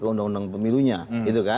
ke undang undang pemilunya gitu kan